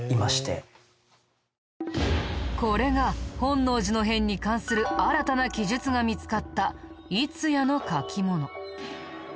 これが本能寺の変に関する新たな記述が見つかった『乙夜之書物』。